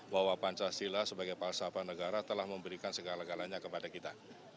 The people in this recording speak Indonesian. bahwa pancasila sebagai palsapan negara telah memberikan segala galanya kepada kita